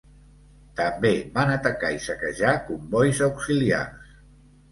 També van atacar i saquejar combois auxiliars.